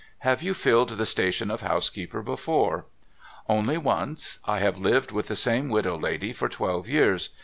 ' Have you filled the station of housekeeper before ?'* Only once. I have lived with the same widow lady for twelve years.